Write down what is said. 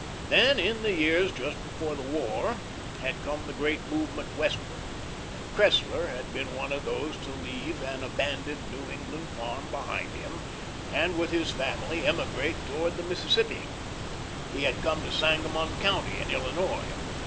Then, in the years just before the War, had come the great movement westward, and Cressler had been one of those to leave an "abandoned" New England farm behind him, and with his family emigrate toward the Mississippi. He had come to Sangamon County in Illinois.